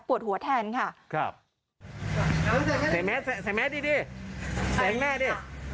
หัวแทนค่ะครับใส่แมสใส่แมสดีดิแสงหน้าดิ